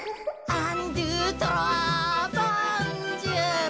「アンドゥトロワボンジュール」